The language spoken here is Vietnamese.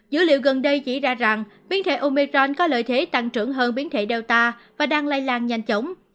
dữ liệu gần đây chỉ ra rằng biến thể omecron có lợi thế tăng trưởng hơn biến thể data và đang lây lan nhanh chóng